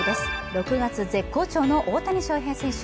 ６月絶好調の大谷翔平選手。